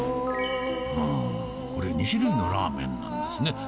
これ２種類のラーメンなんですね。